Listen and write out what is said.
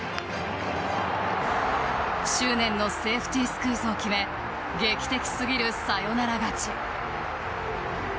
執念のセーフティースクイズを決め劇的すぎるサヨナラ勝ち。